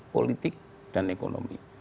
politik dan ekonomi